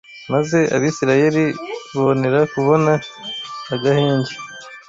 maze Abisirayeli bonera kubona agahenge